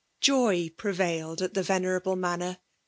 Joy prevailed at the venerable Manor.